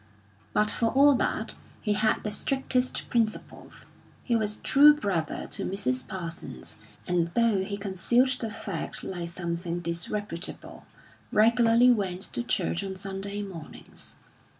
But for all that, he had the strictest principles; he was true brother to Mrs. Parsons, and though he concealed the fact like something disreputable, regularly went to church on Sunday mornings.